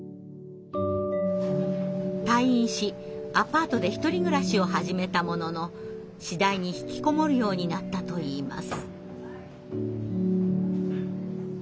退院しアパートで１人暮らしを始めたものの次第に引きこもるようになったといいます。